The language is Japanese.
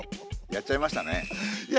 やっちゃいました。